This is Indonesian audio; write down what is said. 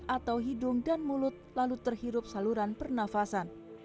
atau hidung dan mulut lalu terhirup saluran pernafasan